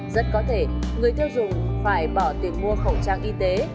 rất có thể người tiêu dùng phải bỏ tiền mua khẩu trang y tế